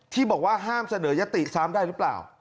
ที่บอกว่าห้ามเสนอยติซ้ำได้หรือเปล่า